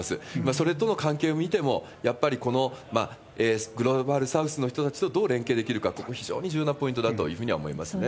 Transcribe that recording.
それとの関係を見ても、やっぱりこのグローバルサウスの人たちとどう連携できるか、ここ、非常に重要なポイントだというふうには思いますね。